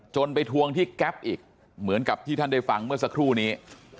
ไปทวงที่แก๊ปอีกเหมือนกับที่ท่านได้ฟังเมื่อสักครู่นี้